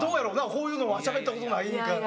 こういうのはしゃべったことないから。